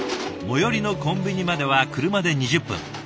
最寄りのコンビニまでは車で２０分。